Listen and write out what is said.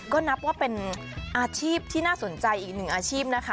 ก็นับว่าเป็นอาชีพที่น่าสนใจอีกหนึ่งอาชีพนะคะ